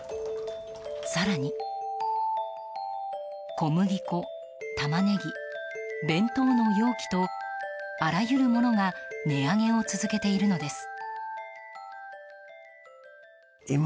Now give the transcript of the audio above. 更に、小麦粉、タマネギ弁当の容器とあらゆるものが値上げを続けているのです。